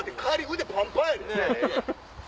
腕パンパンやで！